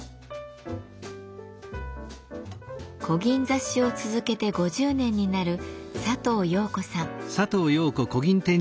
こぎん刺しを続けて５０年になる佐藤陽子さん。